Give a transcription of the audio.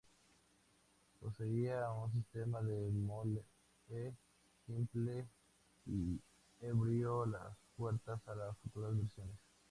Poseía un sistema de melee simple y abrió las puertas a futuras versiones.